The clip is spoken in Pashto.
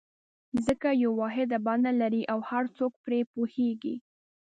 ځکه یوه واحده بڼه لري او هر څوک پرې پوهېږي.